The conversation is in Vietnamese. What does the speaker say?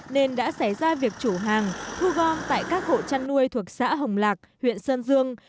nên đã xé ra việc chủ hàng thu gom tại các hộ chăn nuôi thuộc xã hồng lạc huyện sơn dương